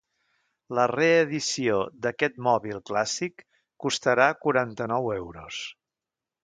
La reedició d’aquest mòbil clàssic costarà quaranta-nou euros.